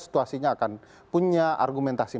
situasinya akan punya argumentasi